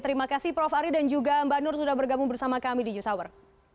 terima kasih prof ari dan juga mbak nur sudah bergabung bersama kami di news hour